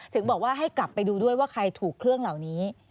ถึงบอกว่าให้กลับไปดูด้วยว่าใครถูกเครื่องเหล่านี้